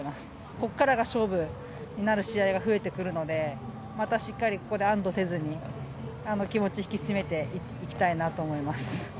ここからが勝負になる試合が増えてくるので、またしっかりここで安どせずに、気持ち引き締めていきたいなと思います。